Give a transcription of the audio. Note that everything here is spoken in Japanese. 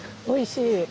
おいしい！